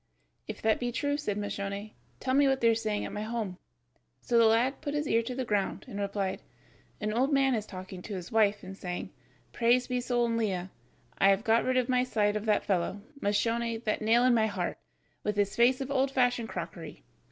"If that be true," said Moscione, "tell me what they are saying at my home." So the lad put his ear to the ground, and replied: "An old man is talking to his wife and saying, 'Praised be Sol in Lea, I have got rid from my side of that fellow, Moscione, that nail in my heart, with his face of old fashioned crockery.